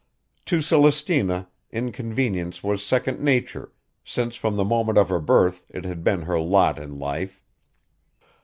To Celestina inconvenience was second nature since from the moment of her birth it had been her lot in life.